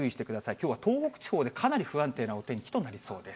きょうは東北地方でかなり不安定なお天気となりそうです。